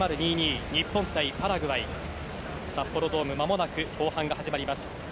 日本対パラグアイ。札幌ドームまもなく後半が始まります。